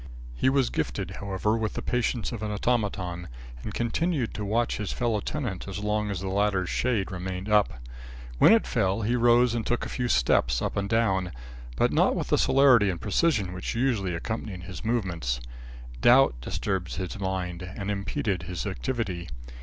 He was gifted, however, with the patience of an automaton and continued to watch his fellow tenant as long as the latter's shade remained up. When it fell, he rose and took a few steps up and down, but not with the celerity and precision which usually accompanied his movements. Doubt disturbed his mind and impeded his activity.